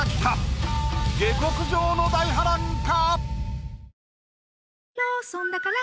下克上の大波乱か？